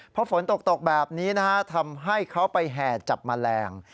เพราะฝนตกแบบนี้ทำให้เขาไปแห่จับแมลง